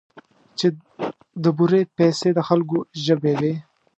چې د بورې پسې د خلکو ژبې وې.